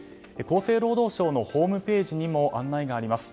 厚生労働省のホームページにも案内があります。